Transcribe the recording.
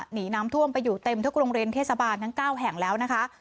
หนีน้ำท่วมไปอยู่เต็มทุกโรงเรียนเทศบาลทั้ง๙แห่งแล้วนะคะ